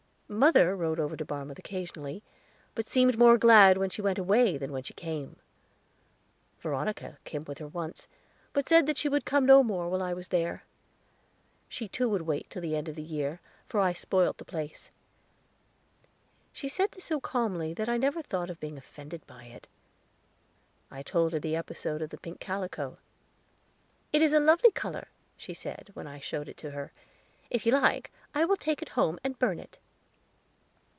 Mother rode over to Barmouth occasionally, but seemed more glad when she went away than when she came. Veronica came with her once, but said she would come no more while I was there. She too would wait till the end of the year, for I spoiled the place. She said this so calmly that I never thought of being offended by it. I told her the episode of the pink calico. "It is a lovely color," she said, when I showed it to her. "If you like, I will take it home and burn it."